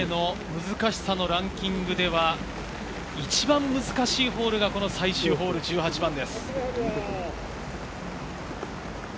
ここまでの難しさのランキングでは一番難しいホールがこの最終ホール、１８番です。